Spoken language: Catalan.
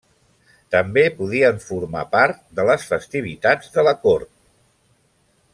També podien formar part de les festivitats de la cort.